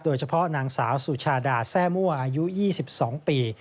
โดยเฉพาะนางสาวสุชาดาแซ่มั่วอายุ๒๒ปี